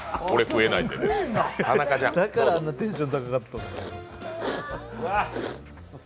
だから、あんなにテンション高かったんだ。